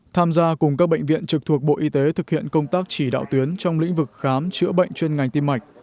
tham gia cùng các bệnh viện trực thuộc bộ y tế thực hiện công tác chỉ đạo tuyến trong lĩnh vực khám chữa bệnh chuyên ngành tim mạch